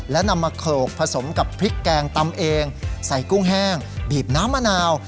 และนำมาโขลกผสมกับพริกแกงตำเองใส่กุ้งแห้งบีบน้ำมะนาว